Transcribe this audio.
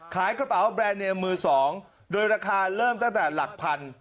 ขายกระเป๋าแบรนด์เนมมือสองโดยราคาเริ่มตั้งแต่หลักพัน